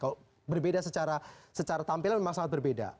kalau berbeda secara tampilan memang sangat berbeda